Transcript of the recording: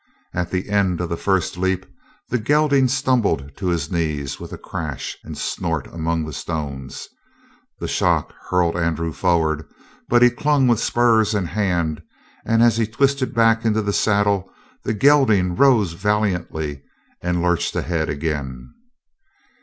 At the end of the first leap the gelding stumbled to his knees with a crash and snort among the stones. The shock hurled Andrew forward, but he clung with spurs and hand, and as he twisted back into the saddle the gelding rose valiantly and lurched ahead again.